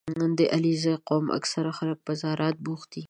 • د علیزي قوم اکثره خلک په زراعت بوخت دي.